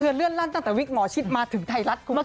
เสือนเลื่อนรั่นตั้งแต่วิกหมอชิดมาถึงไทยรัฐขุมชงขา